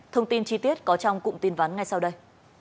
thông tin chi tiết có trong cụm tin vắn ngay sau đây